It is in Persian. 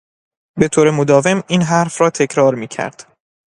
به طور مداوم این حرف را تکرار میکرد